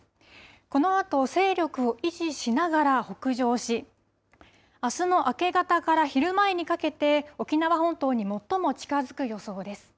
このあと勢力を維持しながら北上しあすの明け方から昼前にかけて沖縄本島に最も近づく予想です。